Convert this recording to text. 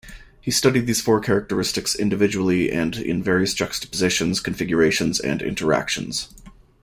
He studied these four characteristics individually and in various juxtapositions, configurations, and interactions.